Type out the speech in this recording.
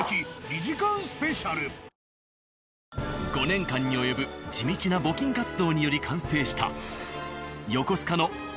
５年間に及ぶ地道な募金活動により完成した。